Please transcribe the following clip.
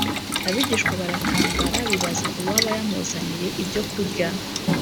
Abigishwa baratangara bibaza uwaba yamuzaniye ibyo kurya